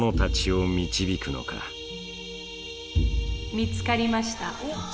見つかりました。